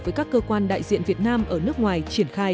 với các cơ quan đại diện việt nam ở nước ngoài triển khai